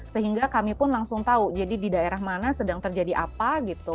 sehingga kami pun langsung tahu jadi di daerah mana sedang terjadi apa gitu